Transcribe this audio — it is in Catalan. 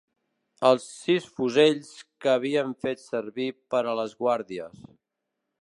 Els sis fusells que havíem fet servir per a les guàrdies